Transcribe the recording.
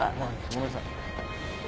ごめんなさい。